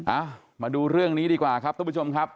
อ่ะมาดูเรื่องนี้ดีกว่าครับทุกผู้ชมครับ